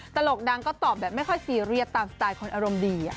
ตลกดังก็ตอบแบบไม่ค่อยซีเรียสตามสไตล์คนอารมณ์ดี